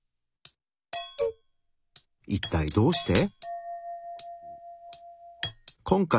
一体どうして？